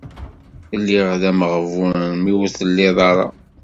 Lliɣ d ameɣbun mi ur tellid ara.